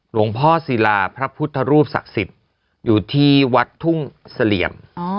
หลวงพ่อศิลาพระพุทธรูปศักดิ์สิทธิ์อยู่ที่วัดทุ่งเสลี่ยม